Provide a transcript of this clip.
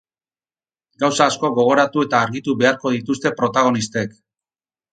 Gauza asko gogoratu eta argitu beharko dituzte protagonistek.